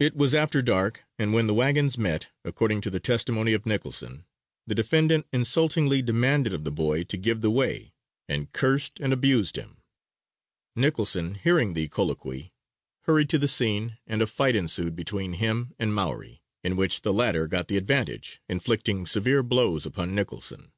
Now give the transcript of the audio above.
It was after dark, and when the wagons met, according to the testimony of Nicholson, the defendant insultingly demanded of the boy to give the way, and cursed and abused him. Nicholson, hearing the colloquy, hurried to the scene and a fight ensued between him and Maury, in which the latter got the advantage, inflicting severe blows upon Nicholson.